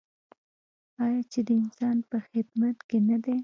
آیا چې د انسان په خدمت کې نه دی؟